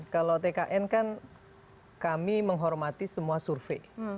kalau tkn kan kami menghormati semua survei